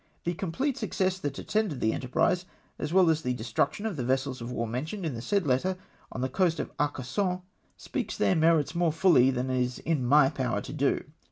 The complete success that attended the enterprise, as well as the destruction of the vessels of war mentioned in the said letter on the coast of Arcasson, speaks their merits more fully than is in my power to do.